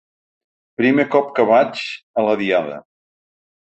Primer cop que vaig a la Diada.